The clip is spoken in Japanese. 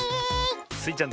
スイちゃん